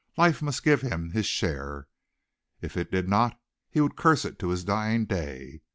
Life must give him his share. If it did not he would curse it to his dying day.